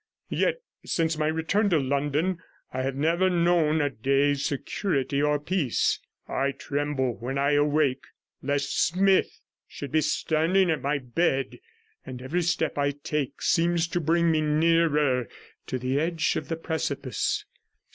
Yet, since my return to London, I have never known a day's security or peace; I tremble when I awake lest Smith should be standing at my bed, and every step I take seems to bring me nearer to the edge of the precipice.